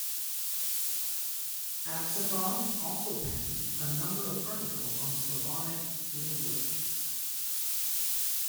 Aksakov also penned a number of articles on Slavonic linguistics.